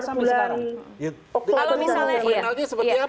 sudah kepolisian dan kerjaan ya